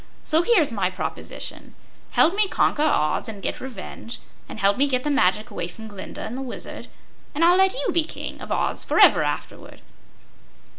So here's my proposition: Help me conquer Oz and get revenge, and help me get the magic away from Glinda and the Wizard, and I'll let you be King of Oz forever afterward."